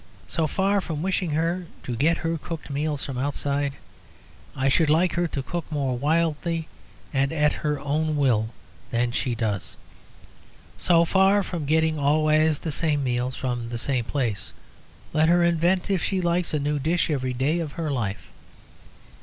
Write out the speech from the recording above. So far from wishing her to get her cooked meals from outside, I should like her to cook more wildly and at her own will than she does. So far from getting always the same meals from the same place, let her invent, if she likes, a new dish every day of her life.